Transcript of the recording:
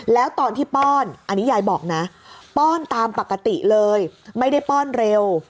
แล้วตอนที่ป้อนอันนี้ยายบอกนะป้อนตามปกติเลยไม่ได้ป้อนเร็ว